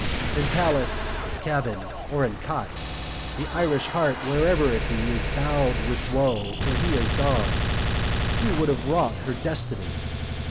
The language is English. In palace, cabin or in cot The Irish heart where'er it be Is bowed with woe—for he is gone Who would have wrought her destiny.